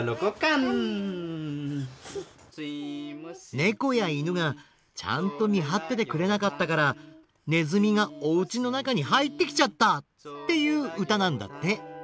ねこやいぬがちゃんとみはっててくれなかったからねずみがおうちのなかにはいってきちゃった！っていううたなんだって。